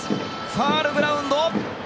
ファウルグラウンド。